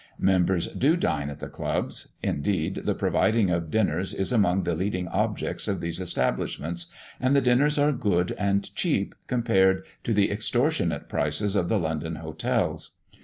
Members do dine at the clubs: indeed, the providing of dinners is among the leading objects of these establishments, and the dinners are good and cheap, compared to the extortionate prices of the London hotels.